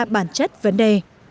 bản chất vấn đề